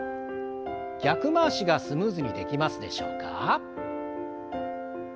逆回しがスムーズにできますでしょうか？